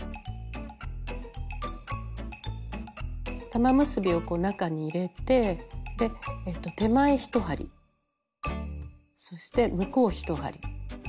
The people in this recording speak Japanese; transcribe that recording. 玉結びをこう中に入れて手前１針そして向こう１針。